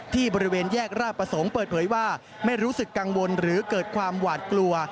บริเวณแยกราชประสงค์เปิดเผยว่าไม่รู้สึกกังวลหรือเกิดความหวาดกลัว